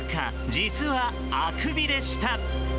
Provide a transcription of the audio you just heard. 実は、あくびでした。